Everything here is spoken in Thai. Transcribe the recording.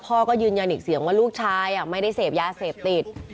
พ่อก็ยืนยันอีกเสียงว่าลูกชายไม่ได้เสพยาเสพติด